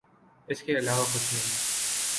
اس کے علاوہ کچھ نہیں۔